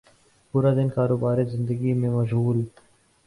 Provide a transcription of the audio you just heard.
پورا دن کاروبار زندگی میں مشغول